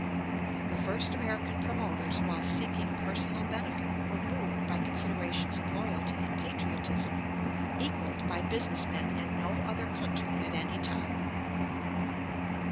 The first American promoters, while seeking personal benefit, were moved by considerations of loyalty and patriotism equalled by business men in no other country at any time."